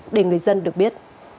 để người dân được biết